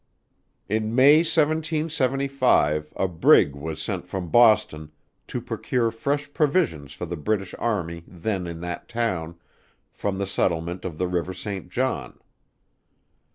In May 1775, a brig was sent from Boston, to procure fresh provisions for the British army then in that town, from the settlement of the river Saint John.